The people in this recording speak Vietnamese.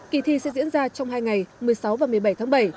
kỳ thi sẽ diễn ra trong hai ngày ngày một mươi sáu và ngày một mươi bảy tháng bảy